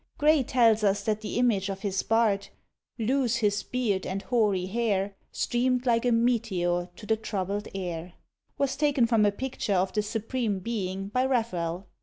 Gray tells us that the image of his "Bard," Loose his beard and hoary hair Streamed like a METEOR to the troubled air, was taken from a picture of the Supreme Being by Raphael.